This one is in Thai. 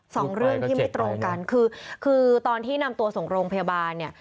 สองเรื่องที่ไม่ตรงกันคือคือตอนที่นำตัวส่งโรงพยาบาลเนี่ย